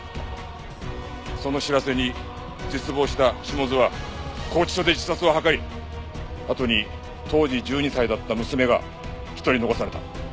その知らせに絶望した下津は拘置所で自殺を図りあとに当時１２歳だった娘が一人残された。